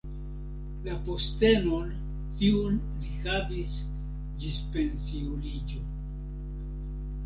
La postenon tiun li havis ĝis pensiuliĝo.